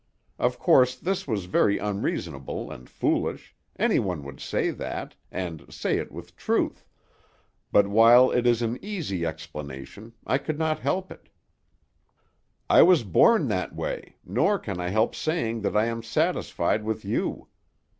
Of course this was very unreasonable and foolish; anyone would say that, and say it with truth, but while it is an easy explanation, I could not help it; I was born that way, nor can I help saying that I am satisfied with you.